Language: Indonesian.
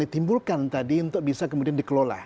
ditimbulkan tadi untuk bisa kemudian dikelola